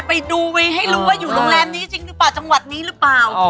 ไปดูไปให้รู้ว่าอยู่โรงแรมนี้จริงหรือเปล่าจังหวัดนี้หรือเปล่า